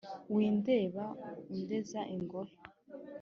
Windeba undenza ingohe,